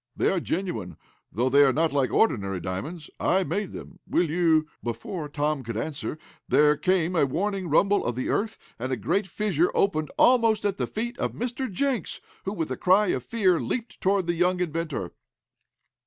They are genuine, though they are not like ordinary diamonds. I made them. Will you " Before Tom could answer, there came a warning rumble of the earth, and a great fissure opened, almost at the feet of Mr. Jenks, who, with a cry of fear, leaped toward the young inventor.